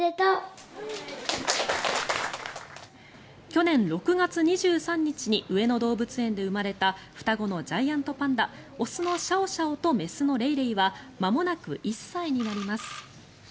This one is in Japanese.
去年６月２３日に上野動物園で生まれた双子のジャイアントパンダ雄のシャオシャオと雌のレイレイはまもなく１歳になります。